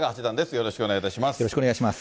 よろしくお願いします。